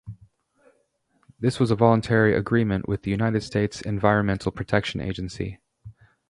This was a voluntary agreement with the United States Environmental Protection Agency.